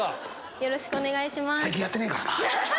よろしくお願いします。